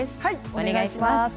お願いします。